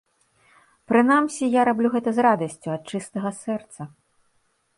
Прынамсі, я раблю гэта з радасцю, ад чыстага сэрца.